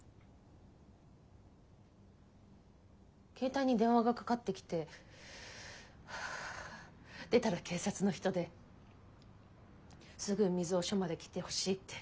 携帯に電話がかかってきて出たら警察の人ですぐ水尾署まで来てほしいって。